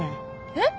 えっ！？